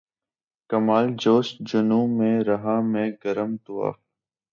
کمال جوش جنوں میں رہا میں گرم طواف